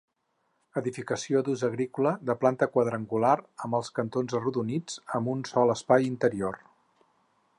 Edificació d'ús agrícola de planta quadrangular, amb els cantons arrodonits, amb un sol espai interior.